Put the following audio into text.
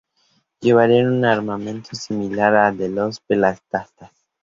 Llevarían un armamento similar al de los peltastas.